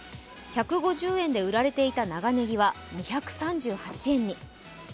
１５０円で売られていた長ネギは２３８円に。